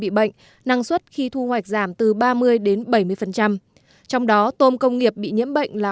bị bệnh năng suất khi thu hoạch giảm từ ba mươi đến bảy mươi trong đó tôm công nghiệp bị nhiễm bệnh là